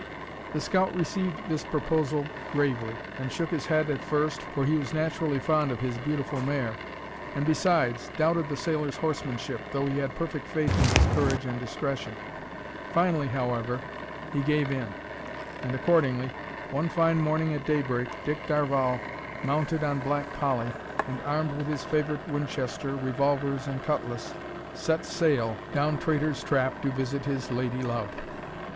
The scout received this proposal gravely, and shook his head at first, for he was naturally fond of his beautiful mare, and, besides, doubted the sailor's horsemanship, though he had perfect faith in his courage and discretion. Finally, however, he gave in; and accordingly, one fine morning at daybreak, Dick Darvall, mounted on Black Polly, and armed with his favourite Winchester, revolvers, and cutlass, "set sail" down Traitor's Trap to visit his lady love!